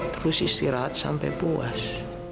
terus istirahat sampai puas